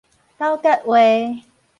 斗葛話